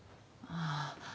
ああ。